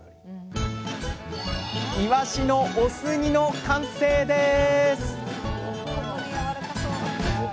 「いわしのお酢煮」の完成です！